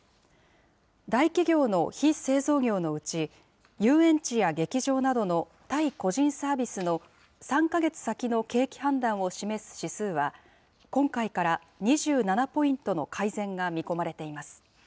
大企業の非製造業のうち、遊園地や劇場などの対個人サービスの３か月先の景気判断を示す指数は、今回から２７ポイントの改善が見込まれています。